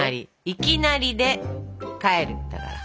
いきなりでかえるだから。